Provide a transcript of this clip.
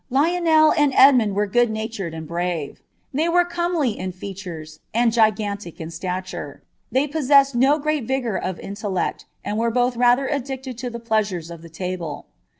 Lionel and Edmund were good natured and brave. liey were comely in features, and gigantic in stature ; they possessed I great vigour of intellect, and were both rather addicted to the plea les of the table.